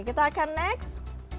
kita akan next